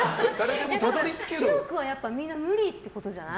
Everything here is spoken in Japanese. でも広くはみんな無理ってことじゃない？